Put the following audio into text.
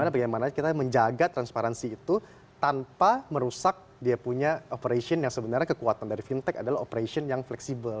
bagaimana kita menjaga transparansi itu tanpa merusak dia punya operation yang sebenarnya kekuatan dari fintech adalah operation yang fleksibel